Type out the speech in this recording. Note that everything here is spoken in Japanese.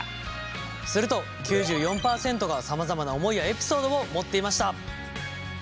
すると９４％がさまざまな思いやエピソードを持っていました。